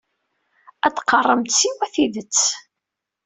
Ad d-teqqaremt siwa tidet.